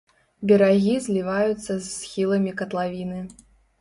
Берагі зліваюцца з схіламі катлавіны.